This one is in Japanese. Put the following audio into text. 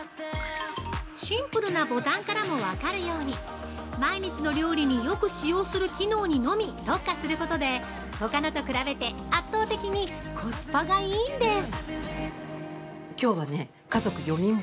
◆シンプルなボタンからも分かるように、毎日の料理によく使用する機能にのみ特化することで、ほかのと比べて圧倒的にコスパがいいんです！